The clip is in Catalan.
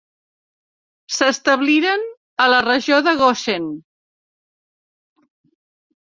S'establiren a la regió de Goshen.